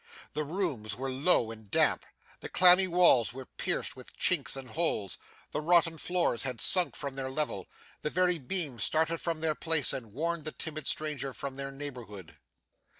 The rooms were low and damp, the clammy walls were pierced with chinks and holes, the rotten floors had sunk from their level, the very beams started from their places and warned the timid stranger from their neighbourhood.